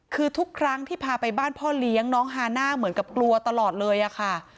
คือทุกครั้งที่พาไปบ้านพ่อเลี้ยงน้องฮาน่าเหมือนกับกลัวตลอดเลยอะค่ะ